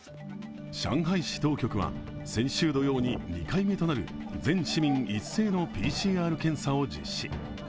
上海市当局は先週土曜に２回目となる全市民一斉のＰＣＲ検査を実施。